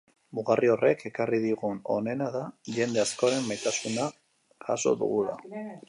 Mugarri horrek ekarri digun onena da jende askoren maitasuna jaso dugula.